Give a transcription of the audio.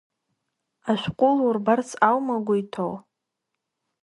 Ашәҟәы лурбарц аума угәы иҭоу?